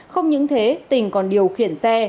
không những thế tỉnh còn điều khiển xe